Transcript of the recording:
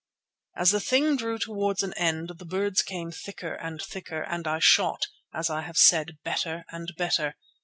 As the thing drew towards an end the birds came thicker and thicker, and I shot, as I have said, better and better.